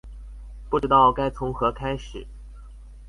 不知道該從何開始